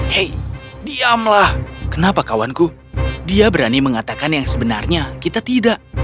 hei diamlah kenapa kawanku dia berani mengatakan yang sebenarnya kita tidak